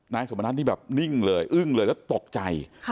นายสมณัฐนี่แบบนิ่งเลยอึ้งเลยแล้วตกใจ